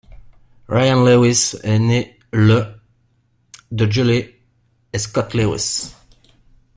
Ryan Lewis est né le de Julie et Scott Lewis.